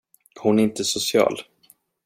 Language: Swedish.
Hon är inte social.